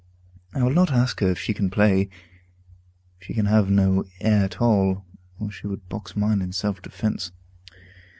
I will not ask her if she can play; she can have no ear at all, or she would box mine in self defence.